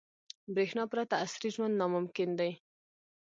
• برېښنا پرته عصري ژوند ناممکن دی.